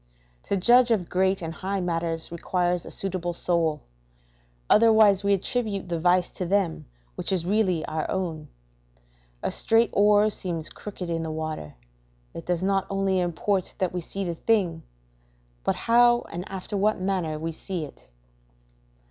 To judge of great, and high matters requires a suitable soul; otherwise we attribute the vice to them which is really our own. A straight oar seems crooked in the water it does not only import that we see the thing, but how and after what manner we see it.